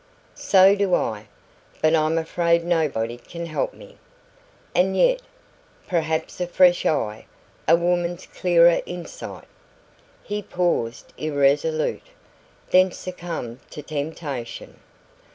"So do I. But I'm afraid nobody can help me. And yet, perhaps a fresh eye a woman's clearer insight " He paused irresolute, then succumbed to temptation.